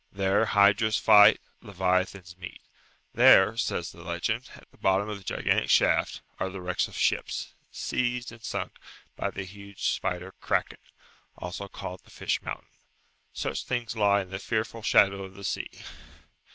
There hydras fight, leviathans meet. There, says the legend, at the bottom of the gigantic shaft, are the wrecks of ships, seized and sunk by the huge spider Kraken, also called the fish mountain. Such things lie in the fearful shadow of the sea.